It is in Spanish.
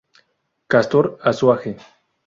Castor Azuaje.